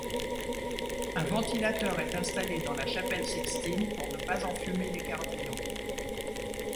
Un ventilateur est installé dans la chapelle Sixtine pour ne pas enfumer les cardinaux.